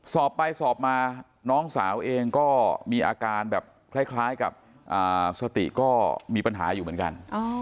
สอบไปสอบมาน้องสาวเองก็มีอาการแบบคล้ายกับสติก็มีปัญหาอยู่เหมือนกัน